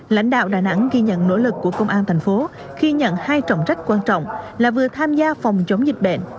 lãnh đạo đà nẵng ghi nhận nỗ lực của công an thành phố khi nhận hai trọng trách quan trọng là vừa tham gia phòng chống dịch bệnh